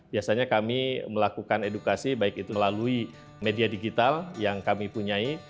biasanya kami melakukan edukasi baik itu melalui media digital yang kami punya